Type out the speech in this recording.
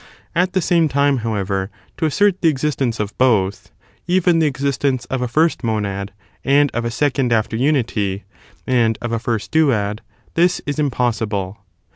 At the same time, however, to assert the existence of both — even the existence of a first monad, and of a second after nni^, and of a first duad — this is impossible.